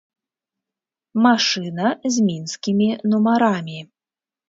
Машына з мінскімі нумарамі.